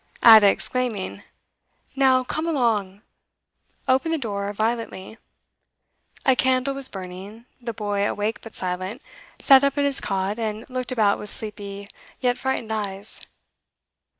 Ada, exclaiming 'Now, come along!' opened the door violently. A candle was burning; the boy, awake but silent, sat up in his cot, and looked about with sleepy, yet frightened eyes.